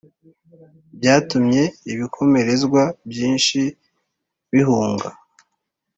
byatumye ibikomerezwa byinshi bihunga,